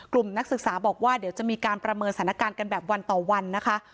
นักศึกษาบอกว่าเดี๋ยวจะมีการประเมินสถานการณ์กันแบบวันต่อวันนะคะ